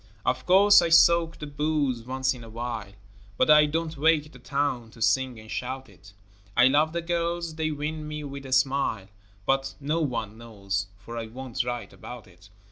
Of course I soak the booze once in a while, But I don't wake the town to sing and shout it; I love the girls, they win me with a smile, But no one knows, for I won't write about it.